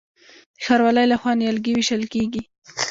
د ښاروالۍ لخوا نیالګي ویشل کیږي.